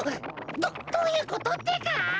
どどういうことってか！？